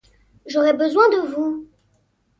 J'aurai besoin de vous.